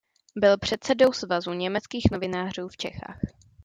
Byl předsedou "Svazu německých novinářů v Čechách".